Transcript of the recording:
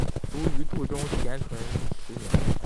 卒于度宗咸淳十年。